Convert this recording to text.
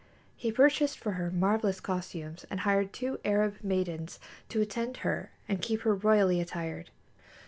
He purchased for her marvelous costumes and hired two Arab maidens to attend her and keep her royally attired.